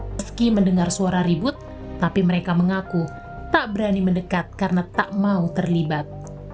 meski mendengar suara ribut tapi mereka mengaku tak berani mendekat karena tak mau terlibat